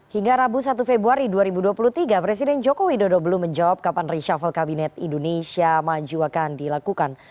hingga rabu satu februari dua ribu dua puluh tiga presiden joko widodo belum menjawab kapan reshuffle kabinet indonesia maju akan dilakukan